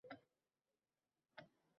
Imomlar.